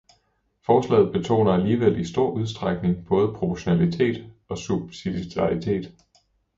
Forslaget betoner alligevel i stor udstrækning både proportionalitet og subsidiaritet.